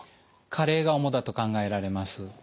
加齢が主だと考えられます。